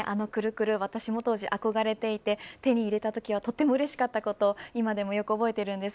あのくるくる私も当時憧れていて手に入れた瞬間はとてもうれしかったことを今でもよく覚えてます。